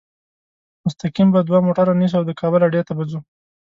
مستقیم به دوه موټره نیسو او د کابل اډې ته به ځو.